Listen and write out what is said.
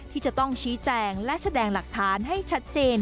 ที่จะต้องชี้แจงและแสดงหลักฐานให้ชัดเจน